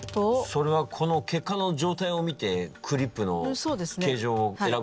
それはこの血管の状態を見てクリップの形状を選ぶということか？